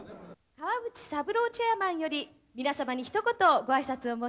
川淵三郎チェアマンより皆様にひと言ご挨拶を申し上げます。